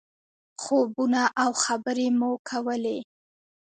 خوبونه او خبرې مو کولې.